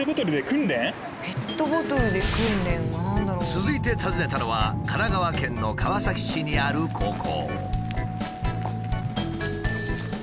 続いて訪ねたのは神奈川県の川崎市にある高校。